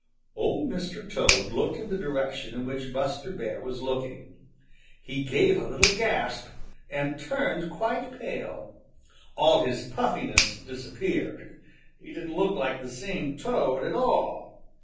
Old Mr. Toad looked in the direction in which Buster Bear was looking. He gave a little gasp and turned quite pale. All his puffiness disappeared. He didn't look like the same Toad at all.